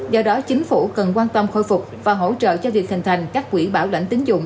do đó chính phủ cần quan tâm khôi phục và hỗ trợ cho việc hình thành các quỹ bảo lãnh tính dụng